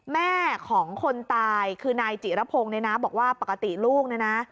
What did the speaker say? แม่ของคนตายคือนายจิระพงศ์เนี่ยนะบอกว่าปกติลูกเนี่ยนะ